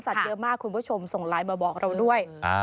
เยอะมากคุณผู้ชมส่งไลน์มาบอกเราด้วย